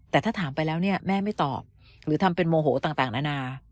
แต่ถ้าถามไปแล้วเนี่ยแม่ไม่ตอบหรือทำเป็นโมโหต่างนานา